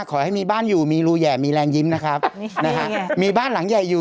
ขอให้มีบ้านอยู่มีรูแห่มีแรงยิ้มนะครับนะฮะมีบ้านหลังใหญ่อยู่